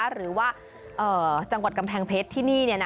หรือว่าจังหวัดกำแพงเพชรที่นี่